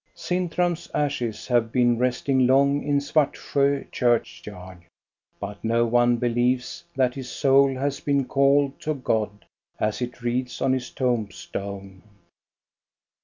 Sint ram 'sashes have been resting long in Svartsjo churchyard, but no one believes that his soul has been called to God, as it reads on his tombstone.